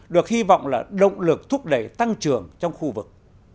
được hy vọng là động lực thúc đẩy tăng trưởng trong khu vực